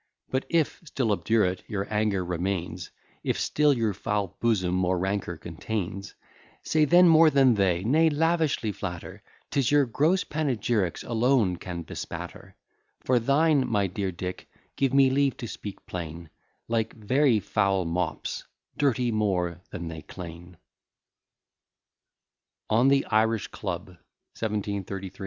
But if, still obdurate, your anger remains, If still your foul bosom more rancour contains, Say then more than they, nay, lavishly flatter; Tis your gross panegyrics alone can bespatter; For thine, my dear Dick, give me leave to speak plain, Like very foul mops, dirty more than they clean. [Footnote 1: Dr. Theophilus Bolton, a particular friend of the Dean. Scott.] ON THE IRISH CLUB.